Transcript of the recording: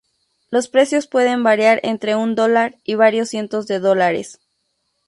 Los precios pueden variar entre un dólar y varios cientos de dólares.